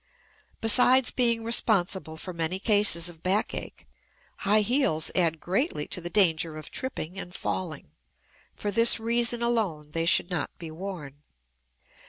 Besides being responsible for many cases of backache, high heels add greatly to the danger of tripping and falling; for this reason alone they should not be worn.